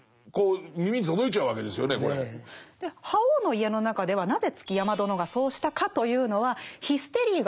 「覇王の家」の中ではなぜ築山殿がそうしたかというのはヒステリーが原因だとか。